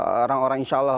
orang orang insya allah